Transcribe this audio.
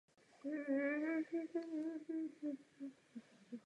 Zde se začal zajímat o námořní využití motoru s vnitřním spalováním a jeho nevýhody.